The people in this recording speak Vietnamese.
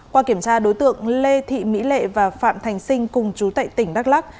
qua kiểm tra đối tượng lê thị mỹ lệ và phạm thành sinh cùng chú tại tỉnh đắk lắc